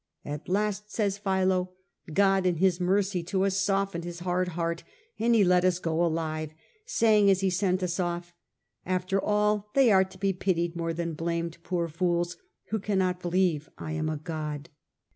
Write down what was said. ' At last,^ says Philo, ' God in his mercy to us softened his hard heart, and he let us go alive, saying as he sent us off, After all, they are to be pitied more than blamed, poor fools, who cannot believe I am a god.